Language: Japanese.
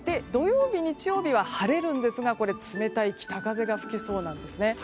土曜日、日曜日は晴れるんですが冷たい北風が吹きそうです。